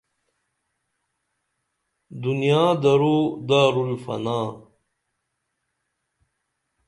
دنیا دور دارالفنا